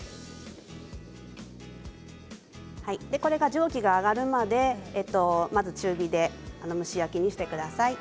これは蒸気が上がるまで中火で蒸し焼きにしてください。